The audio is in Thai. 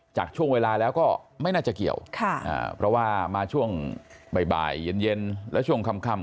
จากช่วงเวลาแล้วก็ไม่น่าจะเกี่ยวเพราะว่ามาช่วงบ่ายเย็นและช่วงค่ำ